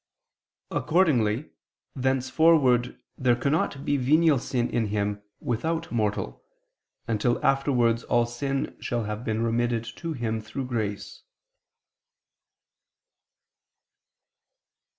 Accordingly thenceforward there cannot be venial sin in him without mortal, until afterwards all sin shall have been remitted to him through grace.